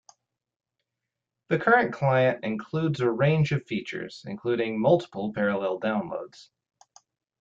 The current client includes a range of features, including multiple parallel downloads.